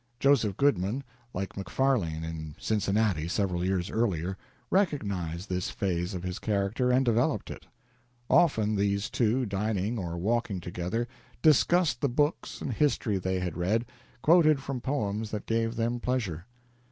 Joseph Goodman, like Macfarlane in Cincinnati several years earlier, recognized this phase of his character and developed it. Often these two, dining or walking together, discussed the books and history they had read, quoted from poems that gave them pleasure.